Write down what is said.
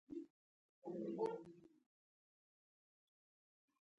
دا بازار که څه هم وړوکی دی خو ګڼه ګوڼه په کې ډېره ده.